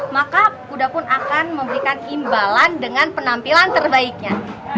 maka kuda pun akan memberikan imbalan dengan penampilan terbaiknya